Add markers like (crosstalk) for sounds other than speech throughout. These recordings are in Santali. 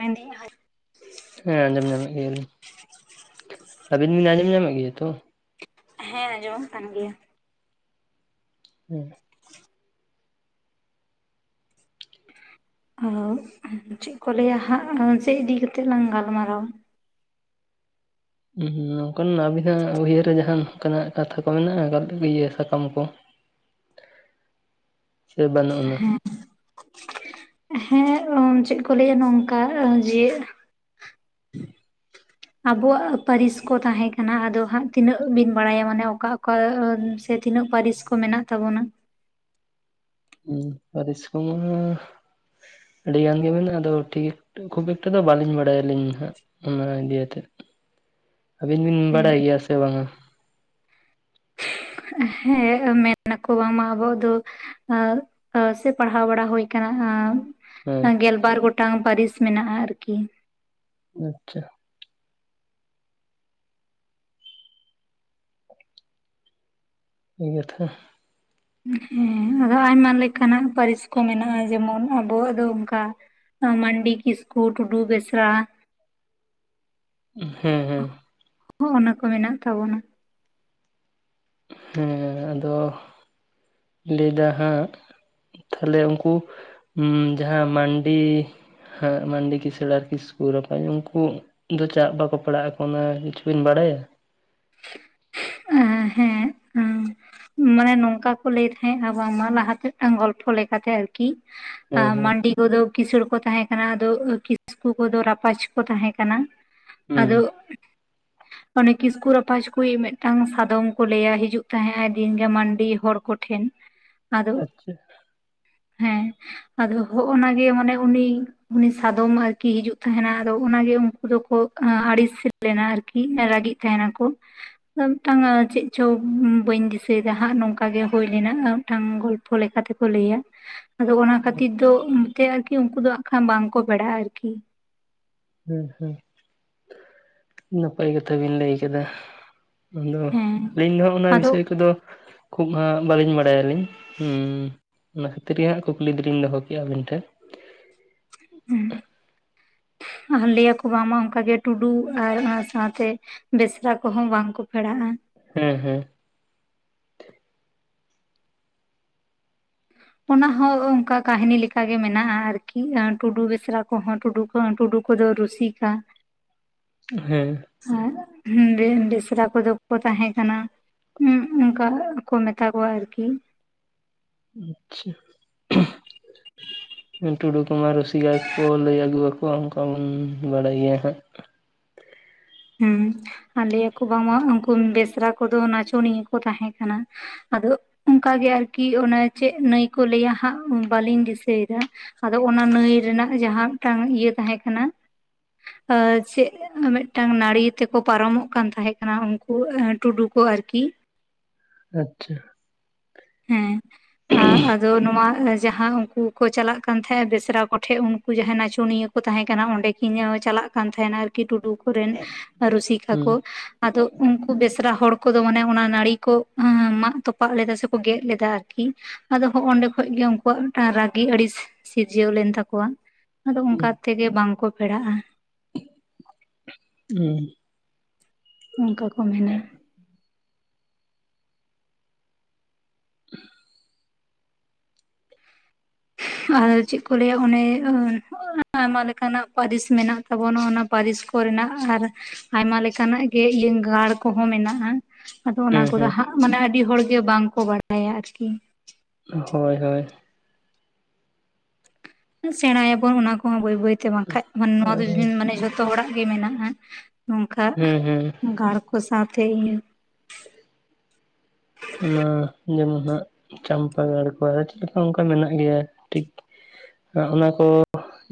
ᱢᱮᱱ ᱫᱤᱧ᱾ (unintelligible) ᱦᱮᱸ ᱟᱸᱡᱚᱢ ᱧᱟᱢᱮᱫ ᱜᱮᱭᱟ ᱞᱤᱧ ᱟᱹᱵᱤᱱ ᱵᱤᱱ ᱟᱸᱡᱚᱢ ᱧᱟᱢᱮᱫ ᱜᱮᱭᱟ ᱛᱚ᱾ ᱦᱮᱸ ᱟᱸᱡᱚᱢ ᱠᱟᱱ ᱜᱮᱭᱟ᱾ ᱦᱩᱸ (inaudible) ᱟᱨ ᱪᱮᱫ ᱠᱚ ᱞᱟᱹᱭᱟ ᱦᱟᱸᱜ ᱪᱮᱫ ᱤᱫᱤ ᱠᱟᱛᱮᱫ ᱞᱟᱝ ᱜᱟᱞᱢᱟᱨᱟᱣᱟᱼ ᱦᱩᱸ ᱱᱚᱝᱠᱟᱱ ᱟᱵᱤᱱᱟᱜ ᱩᱭᱦᱟᱹᱨ ᱨᱮ ᱡᱟᱦᱟᱸ ᱠᱟᱱᱟᱜ ᱠᱟᱛᱷᱟ ᱠᱚ ᱢᱮᱱᱟᱜᱼᱟ ᱤᱭᱟᱹ ᱥᱟᱠᱟᱢ ᱠᱚ᱾ (inaudible) ᱥᱮ ᱵᱟᱹᱱᱩᱜ ᱟᱱᱟ᱾ ᱦᱮᱸ ᱪᱮᱫ ᱠᱚ ᱞᱟᱹᱭᱟ ᱱᱚᱝᱠᱟ ᱡᱮ᱾ ᱟᱵᱚᱣᱟᱜ ᱯᱟᱹᱨᱤᱥ ᱠᱚ ᱛᱟᱦᱮᱸ ᱠᱟᱱᱟ ᱟᱫᱚ ᱦᱟᱸᱜ ᱛᱤᱱᱟᱹᱜ ᱵᱤᱱ ᱵᱟᱲᱟᱭᱟ ᱢᱟᱱᱮ ᱚᱠᱟ ᱚᱠᱟ? ᱚᱠᱟ ᱥᱮ ᱛᱤᱱᱟᱹᱜ ᱯᱟᱹᱨᱤᱥ ᱠᱚ ᱢᱮᱱᱟᱜ ᱛᱟᱵᱚᱱᱟ᱾ ᱦᱩᱸ ᱯᱟᱹᱨᱤᱥ ᱠᱚᱢᱟ᱾ ᱟᱹᱰᱤ ᱜᱟᱱ ᱜᱮ ᱢᱮᱱᱟᱜᱼᱟ ᱟᱫᱚ ᱴᱷᱤᱠ ᱠᱷᱩᱵ ᱮᱠᱴᱟ ᱫᱚ ᱵᱟᱹᱞᱤᱧ ᱵᱟᱲᱟᱭᱟ ᱟᱞᱤᱧ ᱫᱚ ᱦᱟᱸᱜ? ᱚᱱᱟ ᱤᱫᱤᱭ ᱟᱛᱮ᱾ (inaudible) ᱟᱹᱵᱤᱱ ᱵᱤᱱ ᱵᱟᱰᱟᱭ ᱜᱮᱭᱟ ᱥᱮ ᱵᱟᱝᱟ? ᱦᱮᱸ ᱢᱮᱱᱟ ᱠᱚ ᱵᱟᱝᱢᱟ ᱟᱵᱚᱣᱟᱜ ᱫᱚ᱾ (unintelligible) ᱥᱮ ᱯᱟᱲᱦᱟᱣ ᱵᱟᱲᱟ ᱦᱩᱭ ᱟᱠᱟᱱᱟ ᱦᱟᱸᱜ ᱦᱮᱸ ᱜᱮᱞᱵᱟᱨ ᱜᱚᱴᱟᱝ ᱯᱟᱹᱨᱤᱥ ᱢᱮᱱᱟᱜᱼᱟ ᱟᱨᱠᱤ᱾ ᱟᱪᱪᱷᱟ᱾ (unintelligible) ᱦᱮᱸ ᱟᱫᱚ ᱟᱭᱢᱟ ᱞᱮᱠᱟᱱᱟᱜ ᱯᱟᱹᱨᱤᱥ ᱠᱚ ᱢᱮᱱᱟᱜᱼᱟ ᱡᱮᱢᱚᱱ ᱟᱵᱚᱣᱟᱜ ᱫᱚ ᱚᱱᱠᱟ᱾ ᱢᱟᱱᱰᱤ ᱠᱤᱥᱠᱩ ᱴᱩᱰᱩ ᱵᱮᱥᱨᱟ᱾ ᱦᱮᱸ ᱦᱮᱸ᱾ ᱦᱚᱜ ᱚᱱᱟ ᱠᱚ ᱢᱮᱱᱟᱜ ᱛᱟᱵᱚᱱᱟ ᱦᱮᱸ ᱟᱫᱚ ᱞᱟᱹᱭᱫᱟ ᱦᱟᱸᱜ ᱛᱟᱦᱚᱞᱮ ᱩᱱᱠᱩ ᱡᱟᱦᱟᱸ ᱢᱟᱱᱰᱤ ᱦᱮᱸ ᱢᱟᱱᱰᱤ ᱠᱤᱥᱟᱹᱬ ᱟᱨ ᱠᱤᱥᱠᱩ ᱨᱟᱯᱟᱡ ᱩᱱᱠᱩ (unintelligible) ᱪᱟᱜ ᱵᱟᱠᱚ ᱯᱮᱲᱟᱜ ᱟᱠᱚ ᱚᱱᱟ ᱠᱤᱪᱷᱩ ᱵᱤᱱ ᱵᱟᱲᱟᱭᱟ ᱦᱮᱸ ᱦᱮᱸ ᱩᱸ ᱢᱟᱱᱮ ᱱᱚᱝᱠᱟ ᱠᱚ ᱞᱟᱹᱭ ᱛᱟᱦᱮᱸᱜ ᱟ ᱵᱟᱝ ᱢᱟ ᱞᱟᱦᱟ ᱛᱮ ᱜᱚᱞᱯᱚ ᱞᱮᱠᱟ ᱛᱮ ᱟᱨᱠᱤ ᱠᱤ ᱮ ᱦᱮᱸ ᱦᱮᱸ ᱢᱟᱱᱰᱤ᱾ ᱟᱫᱚ ᱠᱤᱥᱬ ᱠᱚ ᱛᱟᱦᱮᱸ ᱠᱟᱱᱟ ᱟᱫᱚ ᱠᱤᱥᱠᱩ ᱠᱚᱫᱚ ᱨᱟᱯᱟᱡᱽ ᱠᱚ ᱛᱟᱦᱮᱸ ᱠᱟᱱᱟ᱾ ᱦᱩᱸ ᱟᱫᱚ ᱚᱱᱮ ᱠᱤᱥᱠᱩ ᱨᱟᱯᱟᱡᱽ ᱠᱩ ᱢᱤᱫᱴᱟᱝ ᱥᱟ᱾ ᱟᱫᱚᱢ ᱠᱚ ᱞᱟᱹᱭᱼᱟ ᱦᱤᱡᱩᱜ ᱛᱟᱦᱮᱸ ᱫᱤᱱ ᱜᱮ ᱢᱟᱱᱰᱤ ᱦᱚᱲ ᱠᱚ ᱴᱷᱮᱱ ᱟᱫᱚ᱾ ᱟᱪᱪᱷᱟ ᱦᱮᱸ ᱟᱫᱚ ᱦᱚᱜᱼᱚ ᱱᱟ ᱜᱮ ᱢᱟᱱᱮ ᱩᱱᱤ᱾ ᱩᱱᱤ ᱥᱟᱫᱚᱢ ᱟᱨᱠᱤ ᱦᱤᱡᱩᱜ ᱛᱟᱦᱮᱱᱟ ᱟᱫᱚ ᱚᱱᱟᱜᱮ ᱩᱱᱠᱩ ᱫᱚᱠᱚ ᱟᱹᱲᱤᱥ᱾ ᱞᱮᱱᱟ ᱟᱨᱠᱤ ᱨᱟᱹᱜᱤᱜ ᱛᱟᱦᱮ ᱱᱟᱠᱚ᱾ ᱴᱟᱝ ᱪᱮᱫ ᱪᱚ ᱵᱟᱹᱧ ᱫᱤᱥᱟᱹᱭᱮᱫᱟ ᱦᱟᱸᱜ ᱱᱚᱝᱠᱟ ᱜᱮ ᱦᱩᱭ ᱞᱮᱱᱟ ᱢᱤᱫᱴᱟᱝ ᱜᱚᱞᱯᱚ ᱞᱮᱠᱟᱛᱮᱠᱚ ᱞᱟᱹᱭᱼᱟ᱾ ᱟᱫᱚ ᱚᱱᱟ ᱠᱷᱟᱹᱛᱤᱨ ᱫᱚ ᱮᱱᱛᱮ ᱟᱨᱠᱤ ᱩᱱᱠᱩ ᱫᱚ ᱟᱷᱟ ᱵᱟᱝᱠᱚ ᱵᱮᱲᱟᱜᱼᱟ ᱟᱨᱠᱤ᱾ ᱦᱮᱸ ᱦᱮᱸ ᱱᱟᱯᱟᱭ ᱠᱟᱛᱷᱟ ᱵᱤᱱ ᱞᱟᱹᱭ ᱠᱟᱫᱟ᱾ ᱟᱫᱚ ᱦᱮᱸ ᱟᱹᱞᱤᱧ ᱫᱚ ᱚᱱᱟ ᱟᱫᱚ ᱵᱤᱥᱚᱭ ᱠᱚᱫᱚ᱾ ᱠᱷᱩᱵ ᱦᱟᱸᱜ ᱵᱟᱹᱞᱤᱧ ᱵᱟᱲᱟᱭᱟᱞᱤᱧ ᱚᱱᱟ ᱠᱷᱟᱹᱛᱤᱨ ᱜᱮ ᱦᱟᱸᱜ ᱠᱩᱠᱞᱤ ᱫᱚᱞᱤᱧ ᱫᱚᱦᱚ ᱠᱮᱫᱼᱟ ᱟᱹᱵᱤᱱ ᱴᱷᱮᱱ᱾ ᱞᱟᱹᱭ ᱟᱠᱚ ᱵᱟᱝᱢᱟ ᱚᱱᱠᱟᱜᱮ ᱴᱩᱰᱩ ᱟᱨ ᱥᱟᱶᱛᱮ᱾ ᱵᱮᱥᱨᱟ ᱠᱚᱦᱚᱸ ᱵᱟᱝ ᱠᱚ ᱯᱷᱮᱲᱟᱜᱼᱟ᱾ ᱦᱮᱸ ᱦᱮᱸ ᱚᱱᱟ ᱦᱚᱸ ᱚᱱᱠᱟ ᱠᱟᱹᱦᱱᱤ ᱞᱮᱠᱟᱟᱜ ᱜᱮ ᱢᱮᱱᱟᱜᱼᱟ ᱟᱨᱠᱤ ᱴᱩᱰᱩ ᱵᱮᱥᱨᱟ ᱠᱚᱦᱚᱸ ᱴᱩᱰᱩ᱾ ᱴᱩᱰᱩ ᱠᱚᱫᱚ ᱨᱩᱥᱤᱠᱟ᱾ ᱦᱮᱸ᱾ ᱟᱸ ᱵᱮᱥᱨᱟ ᱠᱚᱫᱚ ᱠᱚ ᱛᱟᱦᱮᱸ ᱠᱟᱱᱟ᱾ ᱩᱸ ᱚᱝᱠᱟ ᱠᱚ ᱢᱮᱛᱟ ᱠᱚᱣᱟ ᱟᱨᱠᱤ᱾ ᱟᱪᱪᱷᱟ ᱴᱩᱰᱩ ᱠᱩᱢᱟ ᱨᱥᱤᱜᱟᱭ ᱠᱚ ᱞᱟᱹᱭ ᱟᱹᱜᱩᱣᱟᱠᱚᱣᱟ ᱚᱱᱠᱟ ᱵᱚᱱ ᱵᱟᱲᱟᱭ ᱜᱮᱭᱟ ᱦᱟᱸᱜ᱾ ᱦᱩᱸ ᱞᱟᱹᱭ ᱟᱠᱚ ᱵᱟᱝ ᱢᱟ ᱩᱱᱠᱩ ᱵᱮᱥᱨᱟ ᱠᱚᱫᱚ ᱱᱟᱪᱚᱱᱤᱭᱟᱹ ᱠᱚ ᱛᱟᱦᱮᱸ ᱠᱟᱱᱟ᱾ ᱟᱫᱚ ᱚᱱᱠᱟᱜᱮ ᱟᱨᱠᱤ ᱚᱱᱮ ᱪᱮᱫ ᱱᱟᱹᱭ ᱠᱚ ᱞᱟᱹᱭᱟ ᱦᱟᱸᱜ ᱵᱟᱹᱞᱤᱧ ᱫᱤᱥᱟᱹᱭ ᱫᱟ᱾ ᱟᱫᱚ ᱚᱱᱟ ᱱᱟᱹᱭ ᱨᱮᱱᱟᱜ ᱡᱟᱦᱟᱸ ᱢᱤᱫᱴᱟᱝ ᱤᱭᱟᱹ ᱛᱟᱦᱮᱸ ᱠᱟᱱᱟ᱾ ᱪᱮᱫ ᱢᱤᱫᱴᱟᱝ ᱱᱟᱹᱲᱤ ᱛᱮᱠᱚ ᱯᱟᱨᱚᱢᱚᱜ ᱠᱟᱱ ᱛᱟᱦᱮᱸ ᱠᱟᱱᱟ ᱩᱱᱠᱩ ᱴᱩᱰᱩ ᱠᱚ ᱟᱨᱠᱤ᱾ ᱟᱪᱪᱷᱟ ᱦᱮᱸ ᱟᱸ ᱟᱫᱚ ᱱᱚᱣᱟ ᱡᱟᱦᱟᱸ ᱩᱱᱠᱩ ᱠᱚ ᱪᱟᱞᱟᱜ ᱠᱟᱱ ᱛᱟᱦᱮᱸᱫ ᱵᱮᱥᱨᱟ ᱠᱚᱴᱷᱮᱱ ᱩᱱᱠᱩ ᱡᱟᱦᱟᱸᱭ ᱱᱟᱪᱚᱱᱤᱭᱟᱹ᱾ ᱛᱟᱦᱮᱸ ᱠᱟᱱᱟ ᱚᱱᱰᱮ ᱠᱤᱧ ᱪᱟᱞᱟᱜ ᱠᱟᱱ ᱛᱟᱸᱦᱮᱱᱟ ᱟᱨᱠᱤ ᱴᱩᱰᱩ ᱠᱚᱨᱮᱱ ᱨᱩᱥᱤᱠᱟ ᱦᱩᱸ ᱠᱚ᱾ ᱟᱫᱚ ᱩᱱᱠᱩ ᱵᱮᱥᱨᱟ ᱦᱚᱲ ᱠᱚᱫᱚ ᱢᱟᱱᱮ ᱚᱱᱟ ᱱᱟᱹᱲᱤ ᱠᱚ ᱢᱟᱜ ᱛᱚᱯᱟᱜ ᱞᱮᱫᱟ ᱥᱮ᱾ ᱠᱚ ᱜᱮᱫ ᱞᱮᱫᱟ ᱟᱨᱠᱤ᱾ ᱟᱫᱚ ᱦᱚᱸ ᱚᱱᱰᱮ ᱠᱷᱚᱡ ᱜᱮ ᱩᱱᱠᱩᱣᱟᱜ ᱢᱤᱫᱴᱟᱱ ᱨᱟᱹᱜᱤ ᱟᱹᱲᱤ ᱥᱤᱨᱡᱟᱹᱣ ᱞᱮᱱ ᱛᱟᱠᱚᱣᱟ᱾ ᱟᱫᱚ ᱦᱩᱸ ᱚᱱᱠᱟ ᱛᱮᱜᱮ ᱵᱟᱝ ᱠᱚ ᱯᱮᱲᱟᱜᱼᱟ᱾ ᱦᱩᱸ ᱚᱱᱠᱟ ᱠᱚ ᱢᱮᱱᱟ (unintelligible) ᱟᱨ ᱪᱮᱫ ᱠᱚ ᱞᱟᱹᱭᱼᱟ ᱚᱱᱮ ᱟᱭᱢᱟ ᱞᱮᱠᱟᱱᱟᱜ ᱯᱟᱹᱨᱤᱥ ᱢᱮᱱᱟᱜ ᱛᱟᱵᱚᱱᱟ ᱚᱱᱟ᱾ ᱯᱟᱹᱨᱤᱥ ᱠᱚᱨᱮᱱᱟᱜ ᱟᱨ ᱟᱭᱢᱟ ᱞᱮᱠᱟᱱᱟᱜ ᱜᱮ ᱤᱭᱟᱹ ᱜᱟᱲ ᱠᱚᱦᱚᱸ ᱢᱮᱱᱟᱜᱼᱟ᱾ ᱟᱫᱚ ᱚᱱᱟ ᱦᱮᱸ ᱠᱚᱫᱚ ᱦᱮᱸ ᱦᱟᱸᱜ ᱢᱟᱱᱮ ᱟᱹᱰᱤ ᱦᱚᱲ ᱜᱮ ᱵᱟᱝ ᱠᱚ ᱵᱟᱲᱟᱭᱟ ᱟᱨᱠᱤ᱾ ᱦᱳᱭ ᱦᱳᱭ ᱥᱮᱲᱟᱭᱟᱵᱚᱱ ᱚᱱᱟ ᱠᱚᱦᱚᱸ ᱵᱟᱹᱭ ᱵᱟᱹᱭᱛᱮ ᱵᱟᱝ ᱠᱷᱟᱱ ᱱᱚᱣᱟ ᱫᱚ ᱢᱟᱱᱮ ᱡᱷᱚᱛᱚ ᱦᱚᱲᱟᱜ ᱜᱮ ᱢᱮᱱᱟᱜ-ᱟ᱾ ᱱᱚᱝᱠᱟ ᱦᱩᱸ ᱦᱩᱸ ᱜᱟᱲ ᱠᱚ ᱥᱟᱶᱛᱮ ᱤᱧ᱾ ᱚᱱᱟ ᱡᱮᱢᱚᱱ ᱦᱟᱸᱜ ᱪᱟᱢᱯᱟ ᱜᱟᱲ ᱠᱚ ᱟᱨ ᱪᱤ ᱞᱮᱠᱟ ᱚᱱᱠᱟ ᱢᱮᱱᱟᱜ ᱜᱮᱭᱟ ᱴᱷᱤᱠ ᱚᱱᱟ ᱠᱚ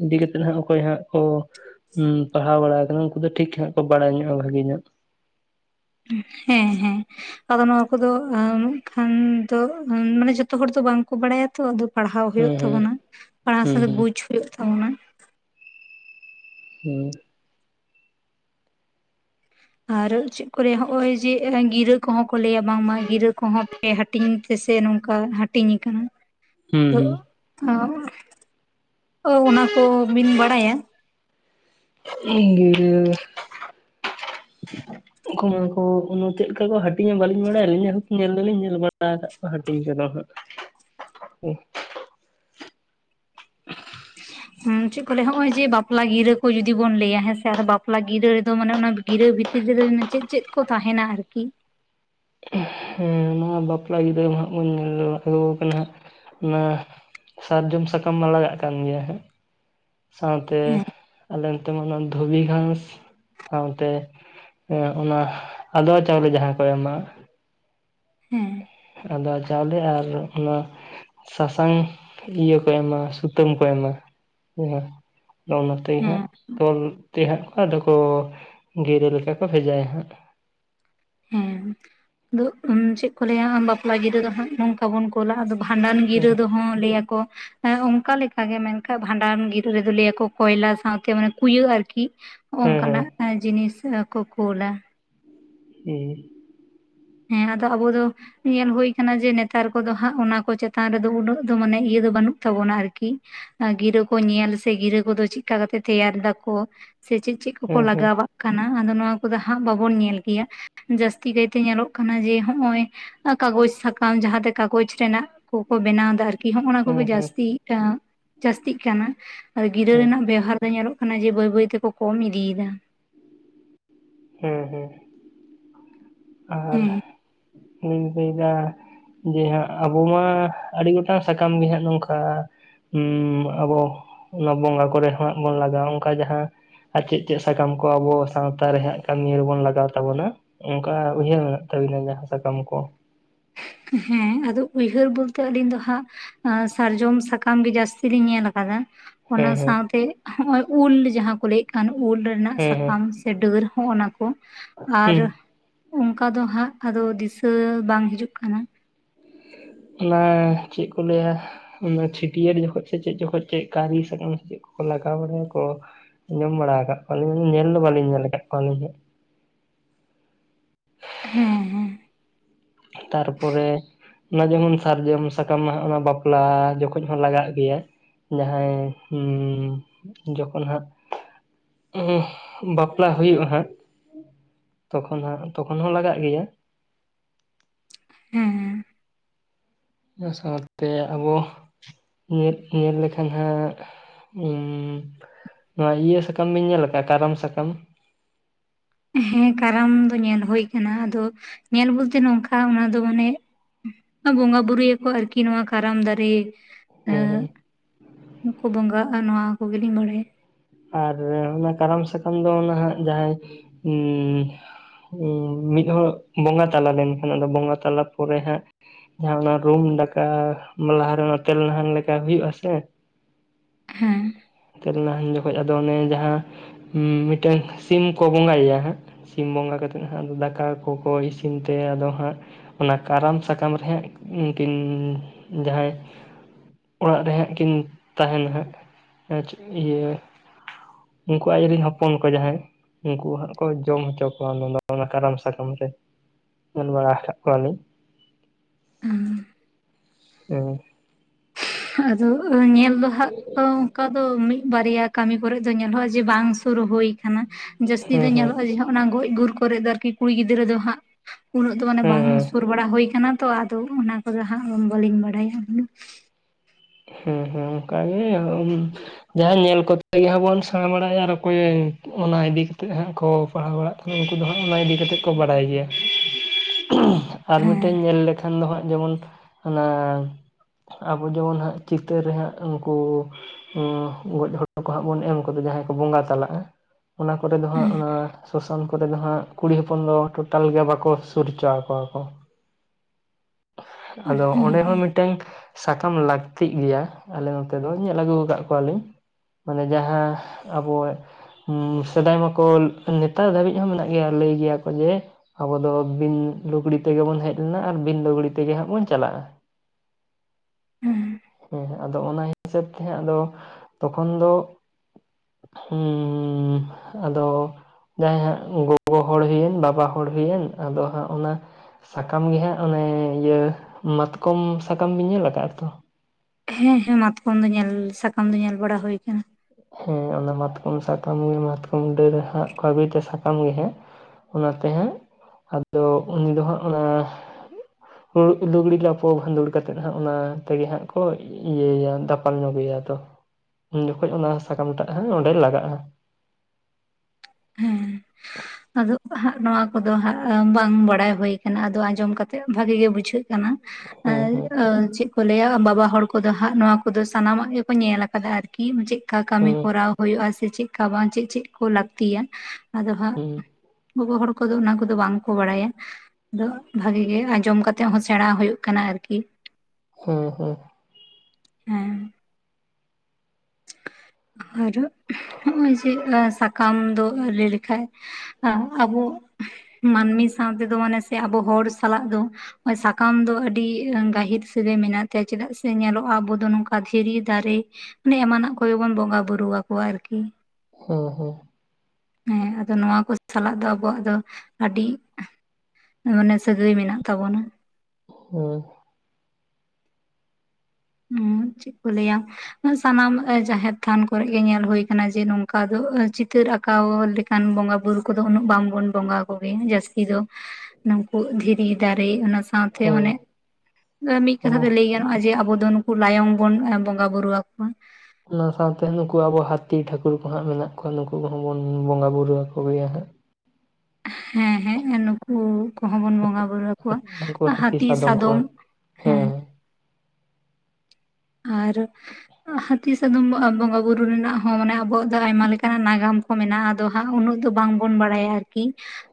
ᱤᱫᱤ ᱠᱟᱛᱮᱫ ᱦᱟᱸᱜ ᱚᱠᱚᱭ ᱦᱟᱸᱜ ᱠᱚ ᱩᱸ ᱯᱟᱲᱦᱟᱣ ᱵᱟᱲᱟᱣ ᱟᱠᱟᱱᱟ ᱩᱱᱠᱩ ᱫᱚ ᱴᱷᱤᱠ ᱜᱮ ᱦᱟᱸᱜ ᱠᱚ ᱵᱟᱲᱟᱭ ᱧᱚᱜ-ᱟ ᱵᱷᱟᱜᱮ ᱧᱚᱜ ᱦᱮᱸ ᱦᱮᱸ ᱟᱫᱚ ᱱᱚᱣᱟ ᱠᱚᱫᱚ ᱦᱟᱢ ᱠᱷᱟᱱ ᱫᱚ ᱢᱟᱱᱮ ᱡᱚᱛᱚ ᱦᱚᱲ ᱫᱚ ᱵᱟᱝᱠᱚ ᱵᱟᱲᱟᱭᱟ ᱛᱚ ᱟᱫᱚ ᱯᱟᱲᱦᱟᱣ ᱦᱩᱸ ᱦᱩᱭᱩᱜ ᱦᱩᱸ ᱛᱟᱵᱚᱱᱟ ᱯᱟᱲᱦᱟᱣ ᱥᱟᱶ ᱦᱩᱸ ᱵᱩᱡᱽ ᱦᱩᱭᱩᱜ ᱛᱟᱵᱚᱱᱟ ᱦᱩᱸ ᱟᱨᱚ ᱪᱮᱫ ᱠᱚᱨᱮ ᱦᱚᱜ-ᱚᱭ ᱡᱮ ᱜᱤᱨᱟᱹ ᱠᱚᱦᱚᱸ ᱠᱚ ᱞᱟᱹᱭᱟ ᱵᱟᱝᱢᱟ ᱜᱤᱨᱟᱹ ᱠᱚᱦᱚᱸ ᱯᱮ ᱦᱟᱹᱴᱤᱧ ᱛᱮᱥᱮ ᱱᱚᱝᱠᱟ ᱦᱟᱹᱴᱤᱧ ᱟᱠᱟᱱᱟ ᱦᱩᱸ ᱦᱩᱸ ᱚᱱᱟ ᱠᱚᱵᱤᱱ ᱵᱟᱲᱟᱭᱟ ᱤᱭᱟᱹ (inaudible) ᱠᱷᱩᱢᱟ. ᱠᱩ ᱩᱱᱩ ᱪᱮᱫ ᱞᱮᱠᱟ ᱠᱚ ᱦᱟᱹᱴᱤᱧᱟ ᱵᱟᱹᱞᱤᱧ ᱵᱟᱲᱟᱭᱟ ᱟᱹᱞᱤᱧ ᱟᱨᱠᱤ ᱧᱮᱞ ᱫᱚᱞᱤᱧ ᱧᱮᱞ ᱵᱟᱲᱟ ᱟᱠᱟᱫ ᱠᱚᱣᱟ ᱦᱟᱹᱴᱤᱧ ᱠᱚᱫᱚ ᱦᱟᱸᱜ (inaudible) (unintelligible) ᱩᱸ ᱪᱮᱫ ᱠᱚ ᱞᱟᱹᱭ ᱦᱚᱜ-ᱚᱭ ᱡᱮ ᱵᱟᱯᱞᱟ ᱜᱤᱨᱟᱹ ᱠᱚ ᱡᱩᱫᱤ ᱵᱚᱱ ᱞᱟᱹᱭᱟ ᱦᱮᱸᱥᱮ ᱵᱟᱯᱞᱟ ᱜᱤᱨᱟᱹ ᱫᱚ ᱢᱟᱱᱮ ᱚᱱᱟ ᱜᱤᱨᱟᱹ ᱵᱷᱤᱛ ᱛᱤᱨ ᱨᱮᱫᱚ ᱪᱮᱫ ᱪᱮᱫ ᱠᱚ ᱛᱟᱦᱮᱱᱟ ᱟᱨᱠᱤ (unintelligible) ᱦᱮᱸ ᱱᱚᱣᱟ ᱵᱟᱯᱞᱟ ᱜᱤᱨᱟᱹ ᱦᱟᱸᱜ ᱵᱚᱱ ᱧᱮᱞ ᱟᱹᱜᱩ ᱠᱟᱱᱟ ᱦᱟᱸᱜ ᱚᱱᱟ ᱥᱟᱨᱡᱚᱢ ᱥᱟᱠᱟᱢ ᱢᱟ ᱞᱟᱜᱟᱜ ᱠᱟᱱ ᱜᱮᱭᱟ ᱦᱮᱸ ᱥᱟᱶᱛᱮ ᱦᱮᱸ ᱟᱞᱮ ᱱᱚᱛᱮ ᱢᱟᱱᱮ ᱱᱟᱜ ᱫᱷᱩᱵᱤ ᱜᱷᱟᱥ ᱥᱟᱶᱛᱮ ᱮᱸ ᱚᱱᱟ ᱟᱫᱽᱣᱟ ᱪᱟᱣᱞᱮ ᱡᱟᱦᱟᱸ ᱠᱚ ᱮᱢᱟ ᱦᱮᱸ ᱟᱫᱽᱣᱟ ᱪᱟᱣᱞᱮ ᱟᱨ ᱚᱱᱟ ᱥᱟᱥᱟᱝ ᱤᱭᱟᱹ ᱠᱚ ᱮᱢᱟ ᱥᱩᱛᱟᱹᱢ ᱠᱚ ᱮᱢᱟ (unintelligible) ᱫᱚ ᱚᱱᱟ ᱛᱮᱜᱮ ᱦᱟᱸᱜ ᱦᱮᱸ ᱛᱚᱞ ᱛᱮ ᱦᱟᱸᱜ ᱠᱚ ᱟᱫᱚ ᱠᱚ ᱜᱤᱨᱟᱹ ᱞᱮᱠᱟ ᱠᱚ ᱵᱷᱮᱡᱟᱭᱟ ᱦᱟᱸᱜ ᱦᱮᱸ ᱟᱫᱚ ᱪᱮᱫ ᱠᱚ ᱞᱟᱹᱭᱟ ᱵᱟᱯᱞᱟ ᱜᱤᱨᱟᱹ ᱫᱚ ᱦᱟᱸᱜ ᱱᱚᱝᱠᱟ ᱵᱚᱱ ᱠᱳᱞᱟ ᱟᱫᱚ ᱵᱷᱟᱸᱰᱟᱱ ᱜᱤᱨᱟᱹ ᱫᱚᱦᱚᱸ ᱞᱟᱹᱭᱟᱠᱚ ᱚᱱᱠᱟ ᱞᱮᱠᱟᱜᱮ ᱢᱮᱱᱠᱷᱟᱱ ᱵᱷᱟᱸᱰᱟᱱ ᱜᱤᱨᱟ‌. ᱨᱮᱫᱚ ᱞᱟᱹᱭ ᱟᱠᱚ ᱠᱚᱭᱞᱟ ᱥᱟᱶᱛᱮ ᱢᱟᱱᱮ ᱠᱩᱭᱟᱹ ᱟᱨᱠᱤ ᱦᱮᱸ ᱦᱮᱸ ᱦᱮᱸ ᱚᱱᱠᱟᱱᱟᱜ ᱡᱤᱱᱤᱥ ᱠᱚ ᱠᱩᱞᱟ ᱩ ᱦᱮᱸ ᱟᱫᱚ ᱟᱵᱚ ᱫᱚ ᱧᱮᱞ ᱦᱳᱭ ᱠᱟᱱᱟ ᱡᱮ ᱱᱮᱛᱟᱨ ᱠᱚᱫᱚ ᱦᱟᱸᱜ ᱚᱱᱟ ᱠᱚ ᱪᱮᱛᱟᱱ ᱨᱮᱫᱚ ᱩᱱᱟᱹᱜ ᱫᱚ ᱢᱟᱱᱮ ᱤᱭᱟᱹ ᱫᱚ ᱵᱟᱹᱱᱩᱜ ᱛᱟᱵᱚᱱᱟ ᱟᱨᱠᱤ ᱜᱤᱨᱟᱹ ᱠᱚ ᱧᱮᱞ ᱥᱮ ᱜᱤᱨᱟᱹ ᱠᱚᱫᱚ ᱪᱮᱫᱠᱟ ᱠᱟᱛᱮ ᱛᱮᱭᱟᱨ ᱫᱟᱠᱚ ᱥᱮ ᱪᱮᱫ ᱪᱮᱫ ᱠᱚᱠᱚ ᱦᱮᱸ ᱦᱮᱸ ᱦᱮᱸ ᱞᱟᱜᱟᱣᱟᱜ ᱠᱟᱱᱟ ᱟᱫᱚ ᱱᱚᱣᱟ ᱠᱚᱫᱚ ᱦᱟᱸᱜ ᱵᱟᱵᱚᱱ ᱧᱮᱞ ᱜᱮᱭᱟ ᱡᱟᱹᱥᱛᱤ ᱠᱟᱭᱛᱮ ᱧᱮᱞᱚᱜ ᱠᱟᱱᱟ ᱡᱮ ᱦᱚᱜ-ᱚᱭ ᱠᱟᱜᱚᱡᱽ ᱥᱟᱠᱟᱢ ᱡᱟᱦᱟᱸᱛᱮ ᱠᱟᱜᱚᱡᱽ ᱨᱮᱱᱟᱜ ᱠᱚᱠᱚ ᱵᱮᱱᱟᱣ ᱫᱟ ᱟᱨᱠᱤ ᱠᱤ ᱦᱚᱜ ᱚᱱᱟ ᱠᱚᱜᱮ ᱡᱟ. ᱦᱮᱸ ᱥᱛᱤᱜ ᱠᱟ ᱡᱟᱹᱥᱛᱤᱜ ᱠᱟᱱᱟ ᱟᱨ ᱜᱤᱨᱟᱹ ᱦᱮᱸ ᱨᱮᱱᱟᱜ ᱵᱮᱣᱦᱟᱨ ᱫᱚ ᱧᱮᱞᱚᱜ ᱠᱟᱱᱟ ᱡᱮ ᱵᱟᱹᱭ ᱵᱟᱹᱭ ᱛᱮᱠᱚ ᱠᱚᱢ ᱤᱫᱤᱭᱮᱫᱟ ᱦᱮᱸ ᱦᱮᱸ ᱟᱨ ᱦᱮᱸ ᱤᱧᱤᱧ ᱞᱟᱹᱭᱫᱟ ᱡᱮ ᱦᱟᱸᱜ ᱟᱵᱚ ᱢᱟ ᱟᱹᱰᱤ ᱜᱚᱴᱟᱝ ᱥᱟᱠᱟᱢ ᱜᱮ ᱦᱟᱸᱜ ᱱᱚᱝᱠᱟ ᱩᱸ ᱟᱵᱚ ᱚᱱᱟ ᱵᱚᱸᱜᱟ ᱠᱚᱨᱮ ᱦᱚᱸᱜ ᱵᱚᱱ ᱞᱟᱜᱟᱣᱟ ᱚᱱᱠᱟ ᱡᱟᱦᱟᱸ ᱟᱨ ᱪᱮᱫ ᱪᱮᱫ ᱥᱟᱠᱟᱢ ᱠᱚ ᱟᱵᱚ ᱥᱟᱶᱛᱟ ᱨᱮ ᱦᱟᱸᱜ ᱠᱟᱹᱢᱤ ᱨᱮᱵᱚᱱ ᱞᱟᱜᱟᱣ ᱛᱟᱵᱚᱱᱟ ᱠᱟ ᱩᱭᱦᱟᱹᱨ ᱢᱮᱱᱟᱜ ᱛᱟᱹᱵᱤᱱᱟ ᱡᱟᱦᱟᱸ ᱥᱟᱠᱟᱢ ᱠᱚ ᱦᱮᱸ ᱟᱫᱚ ᱩᱭᱦᱟᱹᱨ ᱵᱚᱞᱛᱮ ᱟᱹᱞᱤᱧ ᱫᱚ ᱦᱟᱸᱜ ᱟᱸ ᱥᱟᱨᱡᱚᱢ ᱥᱟᱠᱟᱢ ᱜᱮ ᱡᱟᱹᱥᱛᱤ ᱞᱤᱧ ᱧᱮᱞ ᱟᱠᱟᱫᱟ, ᱚᱱᱟ ᱦᱮᱸ ᱦᱮᱸ ᱥᱟᱶᱛᱮ ᱦᱚᱜ-ᱚᱭ ᱩᱞ ᱡᱟᱦᱟᱸ ᱠᱚ ᱞᱟᱹᱭᱮᱫ ᱠᱟᱱ ᱩᱞ ᱨᱮᱱᱟᱜ ᱦᱮᱸ ᱦᱮᱸ ᱥᱟᱠᱟᱢ ᱥᱮ ᱰᱟᱹᱨ ᱦᱚᱸᱜ ᱚᱱᱟ, ᱠᱚ ᱟᱨ ᱦᱩᱸ ᱚᱱᱠᱟ ᱫᱚ ᱦᱟᱸᱜ ᱟᱫᱚ ᱫᱤᱥᱟᱹ ᱵᱟᱝ ᱦᱤᱡᱩᱜ ᱠᱟᱱᱟ, ᱚᱱᱟ ᱪᱮᱫ ᱠᱚ ᱞᱟᱹᱭᱟ ᱼᱼ ᱚᱱᱟ ᱪᱷᱟᱹᱴᱭᱟᱹᱨ ᱡᱚᱠᱷᱚᱡ ᱥᱮ ᱪᱮᱫ ᱡᱚᱠᱷᱚᱡ ᱪᱮᱫ ᱠᱟᱹᱨᱤ ᱥᱟᱠᱟᱢ ᱥᱮ ᱪᱮᱫ ᱠᱚ ᱞᱟᱜᱟᱣ ᱵᱟᱲᱟᱭᱟᱠᱚ, ᱟᱡᱚᱢ ᱵᱟᱲᱟ ᱠᱟᱜ ᱠᱳᱣᱟᱞᱤᱧ ᱧᱮᱞ ᱫᱚ ᱵᱟᱞᱤᱧ ᱧᱮᱞ ᱠᱟᱜ ᱠᱚᱣᱟ ᱟᱞᱤᱧ ᱦᱚᱸ ᱦᱮᱸ ᱛᱟᱨᱯᱚᱨᱮᱼᱼ ᱚᱱᱟ ᱡᱮᱢᱚᱱ ᱥᱟᱨᱡᱚᱢ ᱥᱟᱠᱟᱢ ᱢᱟ ᱦᱟᱸᱜ ᱚᱱᱟ ᱵᱟᱯᱞᱟ ᱡᱚᱠᱷᱚᱡ ᱦᱚᱸ ᱞᱟᱜᱟᱜ ᱜᱮᱭᱟ, ᱡᱟᱦᱟᱸᱭ ᱩᱸ ᱡᱚᱠᱷᱚᱱ ᱦᱟᱸᱜᱼᱼ ᱵᱟᱯᱞᱟ ᱦᱩᱭᱩᱜᱼᱟ ᱦᱟᱹᱜ ᱛᱚᱠᱷᱚᱱ ᱦᱟᱸᱜ ᱛᱚᱠᱷᱚᱱ ᱦᱚᱸ ᱞᱟᱜᱟᱜ ᱜᱮᱭᱟ, ᱦᱩᱸ ᱦᱩᱸ ᱚᱱᱟ ᱥᱟᱶᱛᱮ ᱟᱵᱚᱼᱼ ᱧᱮᱞ ᱧᱮᱞ ᱞᱮᱠᱷᱟᱱ ᱦᱟᱸᱜ ᱩᱸᱻ ᱱᱚᱣᱟ ᱤᱭᱟᱹ ᱥᱟᱠᱟᱢ ᱵᱤᱱ ᱧᱮᱞ ᱠᱟᱜᱼᱟ ᱠᱟᱨᱟᱢ ᱥᱟᱠᱟᱢ, ᱦᱮᱸ ᱠᱟᱨᱟᱢ ᱫᱚ ᱧᱮᱞ ᱦᱳᱭ ᱠᱟᱱᱟ ᱟᱫᱚ ᱧᱮᱞ ᱵᱚᱞᱛᱮ ᱱᱚᱝᱠᱟ ᱚᱱᱟ ᱫᱚ ᱢᱟᱱᱮᱼᱼ, ᱵᱚᱸᱜᱟ ᱵᱩᱨᱩᱭᱟᱠᱚ ᱟᱨᱠᱤ ᱱᱚᱣᱟ ᱠᱟᱨᱟᱢ ᱫᱟᱨᱮ, ᱮᱸ (inaudible) ᱠᱚ ᱵᱚᱸᱜᱟ ᱟᱜᱼᱟ ᱱᱚᱣᱟ ᱠᱚᱜᱮᱞᱤᱧ ᱵᱟᱲᱟᱭᱟ, ᱟᱨ ᱚᱱᱟ ᱠᱟᱨᱟᱢ ᱥᱟᱠᱟᱢ ᱫᱚ ᱱᱟᱦᱟᱜ ᱡᱟᱦᱟᱸᱭ ᱩᱸᱻ ᱢᱤᱫ ᱦᱚᱲ ᱵᱚᱸᱜᱟ ᱛᱟᱞᱟ ᱞᱮᱱᱠᱷᱟᱱ ᱟᱫᱚ ᱵᱚᱸᱜᱟ ᱛᱟᱞᱟ ᱯᱚᱨᱮ ᱦᱟᱸᱜ, ᱡᱟᱦᱟᱸ ᱚᱱᱟ ᱨᱩᱢ ᱰᱟᱠᱟᱣ ᱞᱟᱦᱟᱨᱮ ᱚᱱᱟ ᱛᱮᱞ ᱱᱟᱦᱟᱱ ᱞᱮᱠᱟ ᱦᱩᱭᱩᱜᱼᱟ ᱥᱮ ᱦᱮᱸ ᱛᱮᱞ ᱱᱟᱦᱟᱱ ᱡᱚᱠᱷᱚᱡ ᱟᱫᱚ ᱚᱱᱮ ᱡᱟᱦᱟᱸ ᱢᱤᱫᱽᱴᱟᱹᱝ ᱥᱤᱢ ᱠᱚ ᱵᱚᱸᱜᱟᱭᱮᱭᱟ ᱦᱟᱸᱜ, ᱥᱤᱢ ᱵᱚᱸᱜᱟ ᱠᱟᱛᱮᱫ ᱦᱟᱸᱜ ᱟᱫᱚ ᱫᱟᱠᱟ ᱠᱚᱠᱚ ᱤᱥᱤᱱ ᱛᱮ ᱟᱫᱚ ᱦᱟᱸᱜ, ᱚᱱᱟ ᱠᱟᱨᱟᱢ ᱥᱟᱠᱟᱢ ᱨᱮ ᱦᱟᱜ ᱩᱱᱠᱤᱱ ᱡᱟᱦᱟᱸᱭᱼᱼ ᱚᱲᱟᱜ ᱨᱮ ᱦᱟᱸᱜ ᱠᱤᱱ ᱛᱟᱦᱮᱸᱱᱟ ᱦᱟᱸᱜ, (inaudible) ᱤᱭᱟᱹ ᱩᱱᱠᱩ ᱟᱡᱨᱤᱱ ᱦᱚᱯᱚᱱ ᱠᱚ ᱡᱟᱦᱟᱸᱭ ᱩᱱᱠᱩ ᱦᱟᱸᱜ ᱠᱚ ᱡᱚᱢ ᱦᱚᱪᱚ ᱠᱚᱣᱟ ᱚᱱᱟ ᱠᱟᱨᱟᱢ ᱥᱟᱠᱟᱢ ᱨᱮ, ᱢᱮᱱ ᱵᱟᱲᱟ ᱠᱟᱜ ᱠᱚᱣᱟᱞᱤᱧ, (inaudible) ᱮᱸ ᱟᱫᱚ ᱧᱮᱞ ᱫᱚ ᱦᱟᱜ ᱚᱱᱠᱟ ᱫᱚ ᱢᱤᱫᱽ ᱵᱟᱨᱭᱟ᱾ ᱠᱟᱹᱢᱤ ᱠᱚᱨᱮᱫ ᱫᱚ ᱧᱮᱞᱚᱜᱼᱟ ᱡᱮ ᱵᱟᱝ ᱥᱩᱨ ᱦᱩᱭ ᱠᱟᱱᱟ ᱡᱟᱹᱥᱛᱤ ᱦᱮᱸ ᱫᱚ ᱦᱮᱸ ᱧᱮᱞᱚᱜᱼᱟ ᱡᱮ ᱚᱱᱟ ᱜᱚᱡ ᱜᱩᱨᱼᱼ ᱠᱚᱨᱮ ᱫᱚ ᱟᱨᱠᱤ ᱠᱩᱲᱤ ᱜᱤᱫᱽᱨᱟᱹ ᱫᱚ ᱦᱟᱸᱜ ᱩᱱᱟᱹᱜ ᱫᱚ ᱢᱟᱱᱮ ᱦᱮᱸ ᱵᱟᱝ ᱦᱮᱸ ᱥᱳᱨ ᱵᱟᱲᱟ ᱦᱩᱭ ᱠᱟᱱᱟ ᱛᱚ ᱟᱫᱚ ᱚᱱᱟ ᱠᱚᱫᱚ ᱦᱟᱸᱜ ᱵᱟᱹᱞᱤᱧ ᱵᱟᱲᱟᱭᱟ ᱦᱩᱸ ᱦᱩᱸ ᱚᱱᱠᱟᱜᱮ ᱦᱩ᱾ ᱡᱟᱦᱟᱸ ᱧᱮᱞ ᱠᱚᱛᱮ ᱜᱮ ᱦᱟᱸᱜ ᱵᱚᱱ ᱥᱮᱬᱟ ᱵᱟᱲᱟᱭᱟ ᱟᱨ ᱚᱠᱚᱭ ᱚᱱᱟ ᱤᱫᱤ ᱠᱟᱛᱮ ᱦᱟᱸᱜ ᱠᱚ ᱯᱟᱲᱦᱟᱣ ᱵᱟᱲᱟᱜᱼᱟ, ᱩᱱᱠᱩ ᱫᱚ ᱦᱟᱸᱜ ᱚᱱᱟ ᱤᱫᱤ ᱠᱟᱛᱮᱫ ᱠᱚ ᱵᱟᱲᱟᱭ ᱜᱮᱭᱟ, (unintelligible) ᱟᱨ ᱢᱤᱫᱽᱴᱮᱱ ᱧᱮᱞ ᱞᱮᱠᱷᱟᱱ ᱫᱚ ᱦᱟᱸᱜ ᱡᱮᱢᱚᱱ ᱚᱱᱟ ᱟᱵᱚ ᱡᱮᱢᱚᱱ ᱦᱟᱸᱜ ᱪᱤᱛᱟᱹᱨ ᱨᱮ ᱦᱟᱸᱜ ᱩᱱᱠᱩ, ᱮᱸ ᱜᱚᱡ ᱦᱚᱲ ᱠᱚ ᱦᱟᱸᱜ ᱵᱚᱱ ᱮᱢ ᱠᱚᱫᱚ ᱡᱟᱦᱟᱸᱭ ᱠᱚ ᱵᱚᱸᱜᱟ ᱛᱟᱞᱟᱜᱼᱟ ᱚᱱᱟ ᱠᱚᱨᱮ ᱫᱚ ᱦᱟᱸᱜ ᱚᱱᱟ ᱥᱚᱥᱟᱱ ᱠᱚᱨᱮ ᱫᱚ ᱦᱟᱸᱜ ᱠᱩᱲᱤ ᱦᱚᱯᱚᱱ ᱫᱚ ᱴᱳᱴᱟᱞ ᱜᱮ ᱵᱟᱠᱚ ᱥᱩᱨ ᱦᱚᱪᱚ ᱟᱠᱚᱣᱟᱠᱚ, (unintelligible) ᱟᱫᱚ ᱦᱮᱸ ᱚᱸᱰᱮ ᱦᱚᱸ ᱢᱤᱫᱽᱴᱟᱹᱝ ᱥᱟᱠᱟᱢ ᱞᱟ ᱛᱤᱜ ᱜᱮᱭᱟ, ᱟᱞᱮ ᱱᱚᱛᱮ ᱫᱚ ᱧᱮᱞ ᱟᱹᱜᱩ ᱟᱠᱟᱫ ᱠᱚᱣᱟᱞᱤᱧ ᱢᱟᱱᱮ ᱡᱟᱦᱟᱸ ᱟᱵᱚᱭ ᱩᱸᱻ ᱥᱮᱫᱟᱭ ᱢᱟᱠᱚ ᱱᱮᱛᱟᱨ ᱫᱷᱟᱹᱵᱤᱡ ᱦᱚᱸ ᱢᱮᱱᱟᱜ ᱜᱮᱭᱟ, ᱞᱟᱹᱭ ᱜᱮᱭᱟ ᱠᱚ ᱡᱮ ᱟᱵᱚ ᱫᱚ ᱵᱤᱱ ᱞᱩᱜᱽᱲᱤ ᱛᱮᱜᱮ ᱵᱚᱱ ᱦᱮᱡ ᱞᱮᱱᱟ, ᱟᱨ ᱵᱤᱱ ᱞᱩᱜᱽᱲᱤ ᱛᱮᱜᱮ ᱦᱟᱸᱜ ᱵᱚᱱ ᱪᱟᱞᱟᱜᱼᱟ᱾ ᱦᱩᱸ᱾ ᱦᱮᱸ ᱟᱫᱚ ᱚᱱᱟ ᱦᱤᱥᱟᱹᱵᱽ ᱛᱮ ᱦᱟᱸᱜ ᱟᱫᱚ ᱛᱚᱠᱷᱚᱱ ᱫᱚ ᱦᱩᱸᱻ ᱟᱫᱚ ᱡᱟᱦᱟᱸᱭ ᱦᱟᱸᱜ ᱜᱚᱜᱚ ᱦᱚᱲ ᱦᱩᱭᱮᱱ ᱵᱟᱵᱟ ᱦᱚᱲ ᱦᱩᱭᱮᱱ ᱟᱫᱚ ᱦᱟᱸᱜ ᱚᱱᱟ ᱥᱟᱠᱟᱢ ᱜᱮ ᱦᱟᱸᱜ ᱚᱱᱮ ᱤᱭᱟᱹ ᱢᱟᱛᱠᱚᱢ ᱥᱟᱠᱟᱢ ᱵᱤᱱ ᱧᱮᱞ ᱟᱠᱟᱫᱼᱟ ᱛᱚ? ᱦᱮᱸ ᱦᱮᱸ ᱢᱟᱛᱠᱚᱢ ᱫᱚ ᱧᱮᱞ ᱥᱟᱠᱟᱢ ᱫᱚ ᱧᱮᱞ ᱵᱟᱲᱟ ᱦᱳᱭ ᱠᱟᱱᱟ᱾ ᱦᱮᱸ ᱚᱱᱟ ᱢᱟᱛᱠᱚᱢ ᱥᱟᱠᱟᱢ ᱜᱮ, ᱢᱟᱛᱠᱚᱢ ᱰᱟᱹᱨ ᱦᱟᱸᱜ ᱟᱹᱜᱩᱭ ᱛᱮ ᱥᱟᱠᱟᱢ ᱜᱮ ᱦᱟᱸᱜ ᱚᱱᱟᱛᱮ ᱦᱟᱸᱜ ᱟᱫᱚ ᱩᱱᱤ ᱫᱚ ᱦᱟᱸᱜ ᱚᱱᱟ ᱦᱳ ᱞᱩᱜᱽᱲᱤ ᱞᱟᱯᱚ ᱵᱷᱟᱺᱫᱩᱲ ᱠᱟᱛᱮᱫ ᱦᱟᱸᱜ ᱚᱱᱟ ᱛᱮᱜᱮ ᱦᱟᱸᱜ ᱠᱚ ᱤᱭᱟᱹᱭᱼᱭᱟ ᱫᱟᱯᱟᱞ ᱧᱚᱜᱮᱭᱟ ᱛᱚ, ᱩᱱ ᱡᱚᱠᱷᱚᱡ ᱚᱱᱟ ᱥᱟᱠᱟᱢ ᱴᱟᱜ ᱦᱟᱸᱜ ᱚᱸᱰᱮ ᱞᱟᱜᱟᱜᱼᱟ᱾ ᱦᱮᱸᱻ᱾ ᱟᱫᱚ ᱦᱟᱸᱜ ᱱᱚᱣᱟ ᱠᱚᱫᱚ ᱦᱟᱸᱜ ᱵᱟᱝ ᱵᱟᱲᱟᱭ ᱦᱳᱭ ᱟᱠᱟᱱᱟ, ᱟᱫᱚ ᱟᱸᱡᱚᱢ ᱠᱟᱛᱮ ᱵᱷᱟᱜᱮ ᱜᱮ ᱵᱩᱡᱷᱟᱹᱜ ᱠᱟᱱᱟ ᱦᱮᱸ ᱦᱮᱸ (unintelligible) ᱪᱮᱫ ᱠᱚ ᱞᱟᱹᱭᱟ ᱵᱟᱵᱟ ᱦᱚᱲ ᱠᱚᱫᱚ ᱦᱟᱸᱜ ᱱᱚᱣᱟ ᱠᱚᱫᱚ ᱥᱟᱱᱟᱢᱟᱜ ᱜᱮᱠᱚ ᱧᱮᱞ ᱟᱠᱟᱫᱟ ᱟᱨᱠᱤ, ᱪᱮᱫ ᱠᱟ ᱠᱟᱹᱢᱤ ᱦᱮᱸ ᱠᱚᱨᱟᱣ ᱦᱳᱭᱳᱜᱼᱟ ᱥᱮ ᱪᱮᱫ ᱠᱟ ᱵᱟᱝ ᱪᱮᱫ ᱪᱮᱫ ᱠᱚ ᱞᱟᱹᱠᱛᱤᱭᱟ? ᱟᱫᱚ ᱦᱟᱸᱜ ᱦᱮᱸ ᱜᱚᱜᱚ ᱦᱚᱲ ᱠᱚᱫᱚ ᱚᱱᱟ ᱠᱚᱫᱚ ᱵᱟᱝ ᱠᱚ ᱵᱟᱲᱟᱭᱟ᱾ ᱟᱫᱚ ᱵᱷᱟᱜᱮ ᱜᱮ ᱟᱸᱡᱚᱢ ᱠᱟᱛᱮᱜ ᱦᱚᱸ ᱥᱮᱬᱟ ᱦᱩᱭᱩᱜ ᱠᱟᱱᱟ ᱟᱨᱠᱤ᱾ ᱦᱮᱸ ᱦᱮᱸ᱾ ᱦᱮᱸ᱾ ᱟᱨ ᱦᱚᱸᱜᱼᱚᱭ ᱡᱮ ᱚᱱᱟ ᱥᱟᱠᱟᱢ ᱫᱚ ᱞᱟᱹᱭ ᱞᱮᱠᱷᱟᱡ ᱟᱼᱟᱵᱚ ᱢᱟᱹᱱᱢᱤ ᱥᱟᱶ ᱛᱮᱫᱚ ᱢᱟᱱᱮ ᱥᱮ ᱟᱵᱚ ᱦᱚᱲ ᱥᱟᱞᱟᱜ ᱫᱚ ᱥᱟᱠᱟᱢ ᱫᱚ ᱟᱹᱰᱤ ᱜᱟᱹᱦᱤᱨ ᱥᱟᱹᱜᱟᱹᱭ ᱢᱮᱱᱟᱜ ᱛᱟᱭᱟ, ᱪᱮᱫᱟᱜ ᱥᱮ ᱧᱮᱞᱚᱜᱼᱟ ᱟᱵᱚ ᱫᱚ ᱱᱚᱝ ᱠᱟ ᱫᱷᱤᱨᱤ ᱫᱟᱨᱮᱹ ᱢᱟᱱᱮ ᱮᱢᱟᱱᱟᱜ ᱠᱚᱜᱮ ᱵᱚᱱ ᱵᱚᱸᱜᱟ ᱵᱩᱨᱩ ᱟᱠᱚᱣᱟ ᱟᱨᱠᱤ᱾ ᱦᱮᱸ ᱦᱮᱸ᱾ ᱦᱮᱸ ᱟᱫᱚ ᱱᱚᱣᱟ ᱠᱚ ᱥᱟᱞᱟᱜ ᱫᱚ ᱟᱵᱚᱣᱟᱜ ᱫᱚ ᱟᱹᱰᱤ ᱢᱟᱱᱮ ᱥᱟᱹᱜᱟᱹᱭ ᱢᱮᱱᱟᱜ ᱛᱟᱵᱚᱱᱟ᱾ ᱦᱮᱸ᱾ ᱦᱩᱸ ᱪᱮᱫ ᱠᱚ ᱞᱟᱹᱭᱟ? ᱥᱟᱱᱟᱢ ᱡᱟᱦᱮᱨ ᱛᱷᱟᱱ ᱠᱚᱨᱮᱫ ᱜᱮ ᱧᱮᱞ ᱦᱳᱭ ᱠᱟᱱᱟ ᱡᱮ ᱱᱚᱝᱠᱟ ᱫᱚ ᱪᱤᱛᱟᱹᱨ ᱟ ᱠᱟᱣ ᱞᱮᱠᱟᱱ ᱵᱚᱸᱜᱟ ᱵᱩᱨᱩ ᱠᱚᱫᱚ ᱩᱱᱟᱹᱜ ᱵᱟᱝ ᱵᱚᱱ ᱵᱚᱸᱜᱟ ᱟᱠᱚ ᱜᱮᱭᱟ ᱡᱟᱹᱥᱛᱤ ᱫᱚ᱾ ᱱᱩᱝᱠᱩ ᱫᱷᱤᱨᱤ ᱫᱟᱨᱮᱹ ᱚᱱᱟ ᱥᱟ ᱥᱟᱶᱛᱮ ᱦᱮᱸ ᱢᱟᱱᱮ ᱢᱤᱫ ᱠᱟᱛᱷᱟ ᱟᱵᱚ ᱛᱮ ᱞᱟᱹᱭ ᱜᱟᱱᱚᱜᱼᱟ ᱡᱮ ᱟᱫᱚ ᱱᱩᱠᱩ ᱞᱟᱭᱚᱝ ᱵᱚᱱ ᱵᱚᱸᱜᱟᱼᱵᱩᱨᱩ ᱟᱠᱚᱣᱟ ᱾ ᱚᱱᱟ ᱥᱟᱶᱛᱮ ᱱᱩᱠᱩ ᱟᱵᱚ ᱦᱟᱹᱛᱤ ᱴᱷᱟᱹᱠᱩᱨ ᱠᱚ ᱦᱟᱸᱜ ᱢᱮᱱᱟᱜ ᱠᱚᱣᱟ, ᱱᱩᱠᱩ ᱠᱚᱦᱚᱸ ᱵᱚᱱ ᱵᱚᱸᱜᱟ ᱵᱩᱨᱩ ᱟᱠᱚ ᱜᱮᱭᱟ ᱦᱟᱸᱜ᱾ ᱦᱮᱸ ᱦᱮᱸ ᱱᱩᱠᱩ ᱠᱚᱦᱚᱸ ᱵᱚᱱ ᱵᱚᱸᱜᱟ ᱵᱩᱨᱩ ᱟᱠᱚᱣᱟ, ᱩᱱᱠᱩ ᱦᱟᱹᱛᱤ ᱠᱚ ᱥᱟᱫᱚᱢ ᱦᱮᱸ ᱦᱮᱸ ᱟᱨ ᱦᱟᱹᱛᱤ ᱥᱟᱫᱚᱢ ᱵᱚᱸᱜᱟ ᱵᱩᱨᱩ ᱨᱮᱱᱟᱜ ᱦᱚᱸ ᱢᱟᱱᱮ ᱟᱵᱚᱣᱟᱜ ᱫᱚ ᱟᱭᱢᱟ ᱞᱮᱠᱟᱱᱟᱜ ᱱᱟᱜᱟᱢ ᱠᱚ ᱢᱮᱱᱟᱜᱼᱟ ᱟᱫᱚ ᱦᱟᱸᱜ ᱩᱱᱟᱹᱜ ᱫᱚ ᱵᱟᱝ ᱵᱚᱱ ᱵᱟᱲᱟᱭᱟ ᱟᱨᱠᱤ,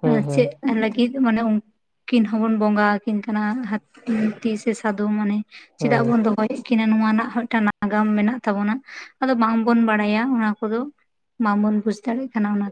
ᱦᱮᱸ ᱟᱨ ᱦᱮᱸ ᱪᱮᱫ ᱞᱟᱹᱜᱤᱫ ᱢᱟᱱᱮ ᱩᱱᱠᱤᱱ ᱦᱚᱸᱵᱚᱱ ᱵᱚᱸᱜᱟ ᱟᱹᱠᱤᱱ ᱠᱟᱱᱟ, ᱦᱟᱹᱛᱤ ᱥᱮ ᱥᱟᱫᱚᱢ ᱢᱟᱱᱮ ᱪᱮᱫᱟᱜ ᱦᱮᱸ ᱵᱚᱱ ᱫᱚᱦᱚᱭ ᱠᱤᱱᱟ ᱱᱚᱣᱟ ᱨᱮᱱᱟᱜ ᱦᱚᱸ ᱢᱤᱫ ᱴᱟᱝ ᱱᱟᱜᱟᱢ ᱢᱮᱱᱟᱜ ᱛᱟᱵᱚᱱᱟ ᱟᱫᱚ ᱵᱟᱝᱵᱚᱱ ᱵᱟᱲᱟᱭᱟ ᱚᱱᱟ ᱠᱚᱫᱚ ᱵᱟᱝᱵᱚᱱ ᱵᱩᱡᱽ ᱫᱟᱲᱮᱭᱟᱜ ᱠᱟᱱᱟ ᱚᱱᱟ